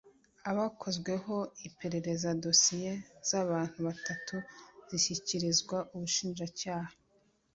abakozweho iperereza dosiye z’abantu batatu zishyikirizwa ubushinjacyaha